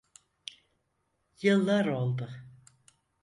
Yıllar oldu.